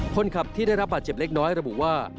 คนขับที่ได้รับบาดเจ็บเล็กน้อยระบุว่า